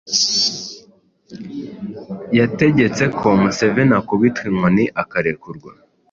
yategetse ko Museveni akubitwa inkoni akarekurwa.